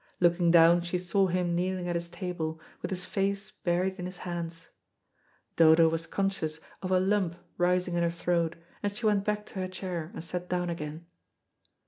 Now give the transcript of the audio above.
Looking down she saw him kneeling at his table, with his face buried in his hands. Dodo was conscious of a lump rising in her throat, and she went back to her chair, and sat down again.